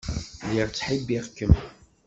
Lliɣ ttḥibbiɣ-kem.